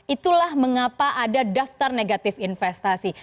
itulah mengapa ada daftar negatif investasi